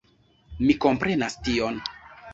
Mi komprenas tion.